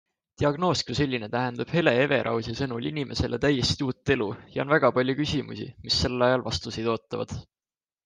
Diagnoos kui selline tähendab Hele Everausi sõnul inimesele täiesti uut elu ja on väga palju küsimusi, mis sel ajal vastuseid ootavad.